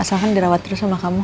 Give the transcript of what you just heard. asalkan dirawat terus sama kamu